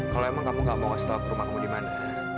kalau emang kamu nggak mau kasih tahu ke rumah kamu di mana